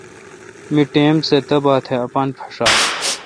مہ ٹائم سہ تہ باتھ اپان پݭام۔